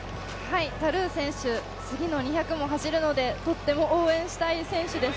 タルー選手、次の２００も走るのでとっても応援したい選手です。